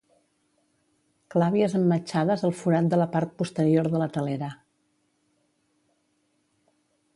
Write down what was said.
Clàvies emmetxades al forat de la part posterior de la telera.